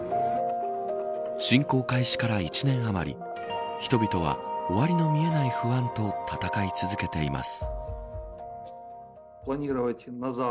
侵攻開始から１年あまり人々は終わりの見えない不安と闘い続けています。